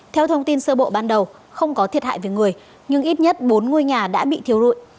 theo thông tin sơ bộ ban đầu không có thiệt hại về người nhưng ít nhất bốn ngôi nhà đã bị thiêu rụi